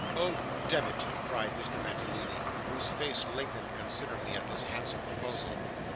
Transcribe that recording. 'Oh demmit!' cried Mr. Mantalini, whose face lengthened considerably at this handsome proposal.